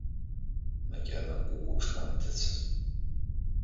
Макьана акәыкәу ҿнамҭыцызт.